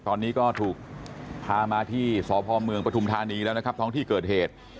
ตอนนี้ก็ถูกพามาที่สพเมืองปฐุมธานีแล้วนะครับท้องที่เกิดเหตุ